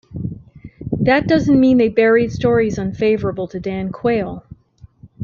That doesn't mean they buried stories unfavorable to Dan Quayle.